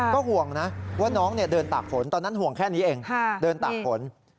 ก็ห่วงนะว่าน้องเดินตากฝนตอนนั้นห่วงแค่นี้เองเดินตากฝน